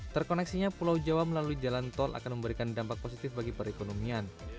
terkoneksinya pulau jawa melalui jalan tol akan memberikan dampak positif bagi perekonomian